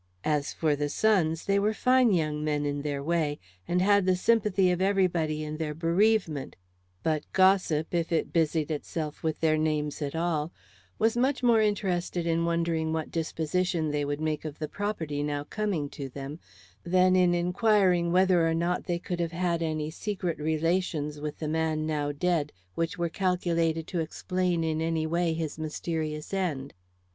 As for the sons, they were fine young men in their way, and had the sympathy of everybody in their bereavement; but gossip, if it busied itself with their names at all, was much more interested in wondering what disposition they would make of the property now coming to them, than in inquiring whether or not they could have had any secret relations with the man now dead, which were calculated to explain in any way his mysterious end.